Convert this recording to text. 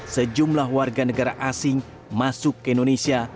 sejumlah warga negara asing masuk ke indonesia